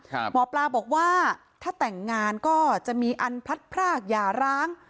หมอปลาบอกว่าถ้าแต่งงานก็จะมีอันพลัดพรากอย่าร้าง